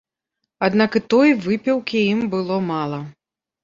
Аднак і той выпіўкі ім было мала.